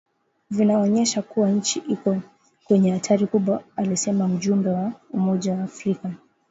vinaonyesha kuwa nchi iko kwenye hatari kubwa alisema mjumbe wa Umoja wa Afrika